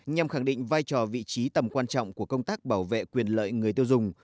nhằm khẳng định vai trò vị trí tầm quan trọng của công tác bảo vệ quyền lợi người tiêu dùng